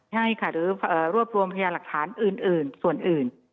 ใช่ค่ะหรือรวบรวมพยาหลักฐานอื่นส่วนอื่น